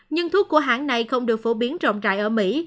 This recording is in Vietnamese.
nhưng thuốc của hãng này không được phổ biến rộng rãi ở mỹ